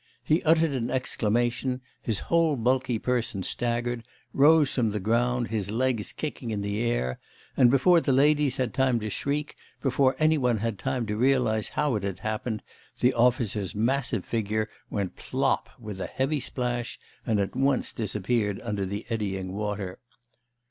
He uttered an exclamation, his whole bulky person staggered, rose from the ground, his legs kicking in the air, and before the ladies had time to shriek, before any one had time to realise how it had happened, the officer's massive figure went plop with a heavy splash, and at once disappeared under the eddying water.